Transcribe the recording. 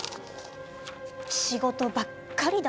仕事ばっかりだ。